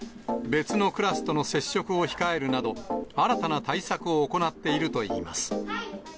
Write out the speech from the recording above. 別のクラスとの接触を控えるなど、新たな対策を行っているといいます。